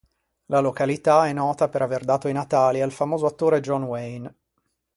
La località è nota per aver dato i natali al famoso attore John Wayne.